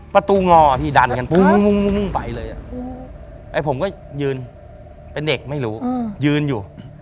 ตรงงอพี่ดันกันปุ้งไปเลยไอ้ผมก็ยืนเป็นเด็กไม่รู้ยืนอยู่